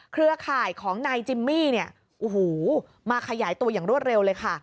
เครือข่ายของนายจิมมี่มาขยายตัวอย่างรวดเร็วเลยค่ะ